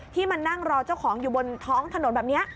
มานั่งรอเจ้าของอยู่บนท้องถนนแบบนี้